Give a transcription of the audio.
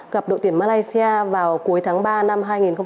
gặp đội tuyển malaysia vào cuối tháng ba năm hai nghìn hai mươi